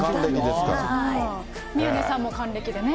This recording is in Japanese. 宮根さんも還暦でね。